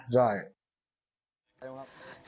เขาไม่แค่ฟันโหวนทานใช่ครับได้ครับ